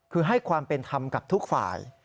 คือให้ความเป็นธรรมกับทุกฝ่าย